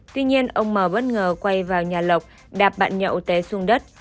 tuy nhiên ông m bất ngờ quay vào nhà lộc đạp bạn nhậu té xuống đất